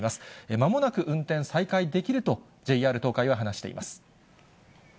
まもなく運転再開できると、ＪＲ東海は話しています。